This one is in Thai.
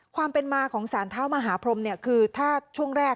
ความเป็นมาของสารเท้ามหาพรมเนี่ยคือถ้าช่วงแรก